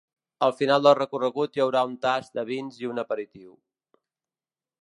Al final del recorregut hi haurà un tast de vins i un aperitiu.